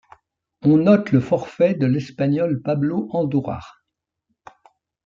On note le forfait de l'Espagnol Pablo Andújar.